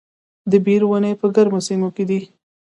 د بیر ونې په ګرمو سیمو کې دي؟